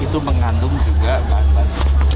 itu mengandung juga bahan bahan